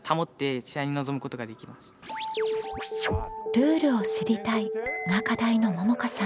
「ルールを知りたい」が課題のももかさん。